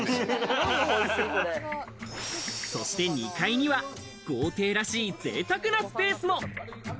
そして２階には豪邸らしい贅沢なスペースも。